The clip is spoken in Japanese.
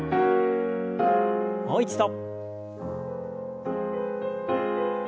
もう一度。